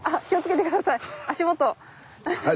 足元。